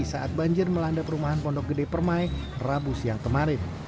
saat banjir melanda perumahan pondok gede permai rabu siang kemarin